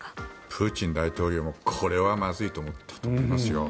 プーチン大統領もこれはまずいと思ったと思いますよ。